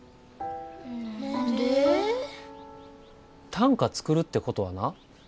短歌作るってことはな